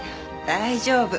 大丈夫。